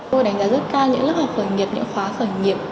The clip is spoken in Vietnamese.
tôi đánh giá rất cao những lớp học khởi nghiệp những khóa khởi nghiệp